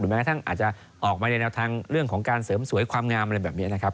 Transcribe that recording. แม้ทั้งอาจจะออกมาในแนวทางเรื่องของการเสริมสวยความงามอะไรแบบนี้นะครับ